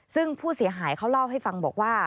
ซึ่งผู้เสียหายเขาเล่าให้ฟังบอกว่า